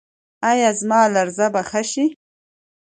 ایا زما لرزه به ښه شي؟